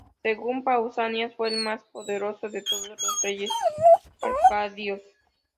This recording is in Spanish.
Según Pausanias fue el más poderoso de todos los reyes arcadios.